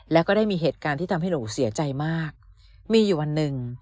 แล้วก็ได้มีเหตุการณ์ที่ทำให้หนูเสียใจมากมีอยู่วันหนึ่ง